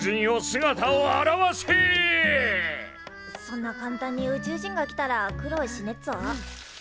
そんな簡単に宇宙人が来たら苦労しねっぞ。